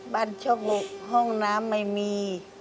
บ้านช่องห้องน้ำไม่มี